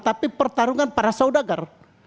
tapi pertarungan para saudagar